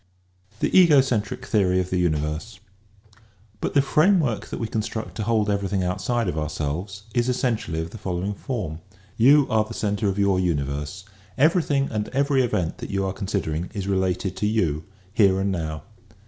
THE EGOCENTRIC THEORY OF THE UNIVERSE But the framework that we construct to hold every thing outside of ourselves is essentially of the following form ; EGOCENTRIC THEORY OF THE UNIVERSE 49 You are the center of your universe. Everything and every event that you are considering is related to you here and now.